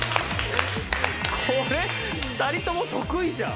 これ２人とも得意じゃん！